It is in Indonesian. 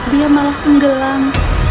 dia malah penggelam